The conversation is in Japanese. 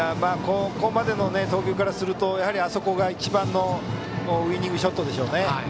ここまでの投球からするとやはりあそこが一番のウイニングショットでしょうね。